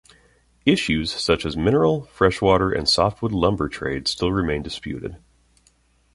Issues such as mineral, fresh water, and softwood lumber trade still remain disputed.